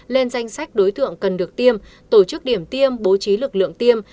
lên danh sách đối tượng cần được tiêm tổ chức điểm tiêm bố trí lực lượng tiêm